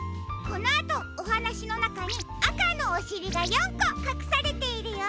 このあとおはなしのなかにあかのおしりが４こかくされているよ。